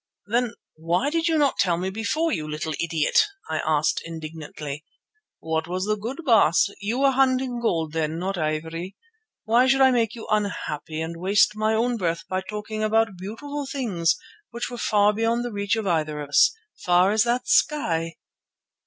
"Then why did you not tell me so before, you little idiot?" I asked indignantly. "What was the good, Baas? You were hunting gold then, not ivory. Why should I make you unhappy, and waste my own breath by talking about beautiful things which were far beyond the reach of either of us, far as that sky?"